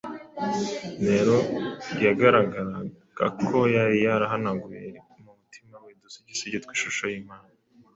Nero yagaragaraga ko yari yarahanaguye mu mutima we udusigisigi tw’ishusho y’Imana